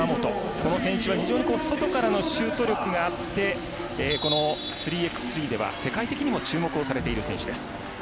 この選手は非常に外からのシュート力があって３ｘ３では世界的にも注目されている選手です。